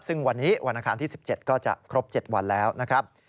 ซึ่งวันนี้วันอาคารที่๑๗ก็จะครบ๗วันแล้วนะครับ